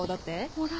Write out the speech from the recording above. ほら。